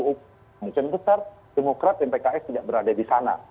kemungkinan besar demokrat dan pks tidak berada di sana